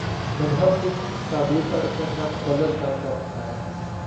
مذہب کی تعبیر پر اس نے اپنا تسلط قائم کر رکھا ہے۔